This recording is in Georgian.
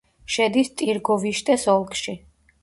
შედის ტირგოვიშტეს ოლქში.